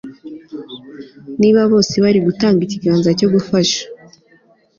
niba bose bari gutanga ikiganza cyo gufasha